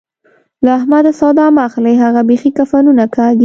له احمده سودا مه اخلئ؛ هغه بېخي کفنونه کاږي.